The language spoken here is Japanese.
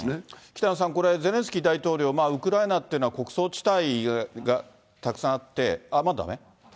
北野さん、これ、ゼレンスキー大統領、ウクライナっていうのは穀倉地帯がたくさんあって、まだだめ？